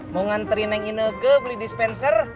mau nganterin neng ineke beli dispenser